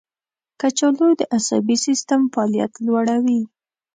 کچالو د عصبي سیستم فعالیت لوړوي.